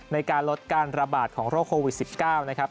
ในการลดการระบาดของโรคโควิด๑๙